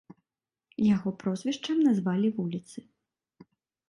Яго прозвішчам назвалі вуліцы.